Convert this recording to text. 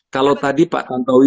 kalau tadi pak tantowi